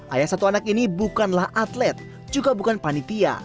ayah satu anak ini bukanlah atlet juga bukan panitia